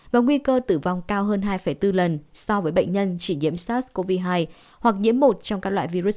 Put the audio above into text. và nguy cơ tử vong cao hơn hai bốn lần so với bệnh nhân chỉ nhiễm sars cov hai hoặc nhiễm một trong các loại virus